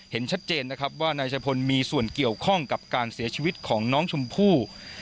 เห็นชัดเจนนะครับว่านายชะพลมีส่วนเกี่ยวข้องกับการเสียชีวิตของน้องชมพู่